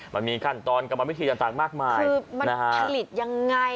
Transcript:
มันมีขั้นตอนกรรมวิธีต่างมากมายคือมันผลิตยังไง